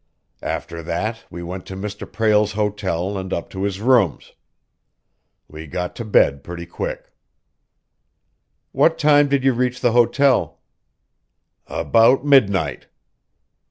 After that we went to Mr. Prale's hotel and up to his rooms. We got to bed pretty quick." "What time did you reach the hotel?" "About midnight."